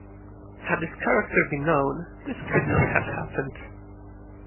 Had his character been known, this could not have happened.